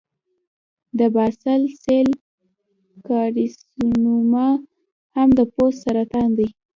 د باسل سیل کارسینوما هم د پوست سرطان دی.